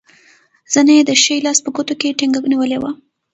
زنه یې د ښي لاس په ګوتو کې ټینګه نیولې وه.